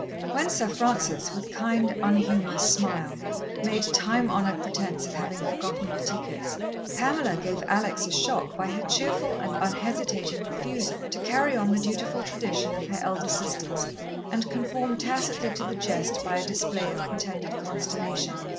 When Sir Francis, with kind, unhumorous smile, made time honoured pretence of having forgotten the tickets, Pamela gave Alex a shock by her cheerful and unhesitating refusal to carry on the dutiful tradition of her elder sisters and conform tacitly to the jest by a display of pretended consternation.